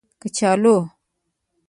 🥔 کچالو